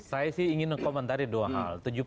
saya sih ingin mengkomentari dua hal